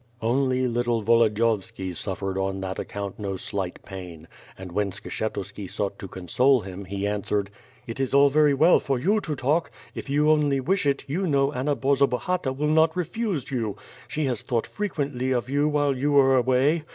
Only little Volodiyovski suffered on that account no slight pain; and when Skshetuski sought to console him, he an swered: "It is all very well for you to talk; if you only wish it, you know Anna Borzobahata will not refuse you. She has thought frequently of you "while you were away.